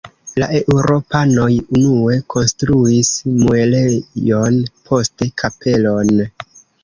La eŭropanoj unue konstruis muelejon, poste kapelon.